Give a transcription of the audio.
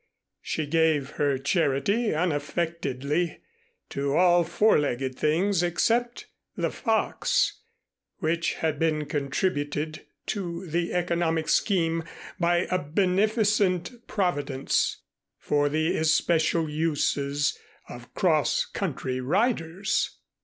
She gave her charity unaffectedly to all four legged things except the fox, which had been contributed to the economic scheme by a beneficent Providence for the especial uses of cross country riders.